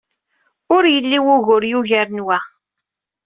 Ur yelli wugur yugaren wa.